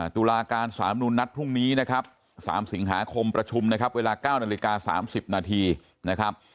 ตุลาการสามนุนนัดพรุ่งนี้นะครับ๓สิงหาคมประชุมนะครับเวลา๙นาฬิกา๓๐นาทีนะครับ